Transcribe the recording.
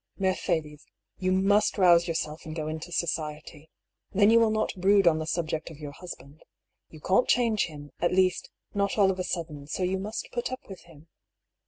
" Mercedes, you must rouse your self, and go into society. Then you will not brood on the subject of your husband. You can't change him, at least, not all of a sudden, so you must put up with him."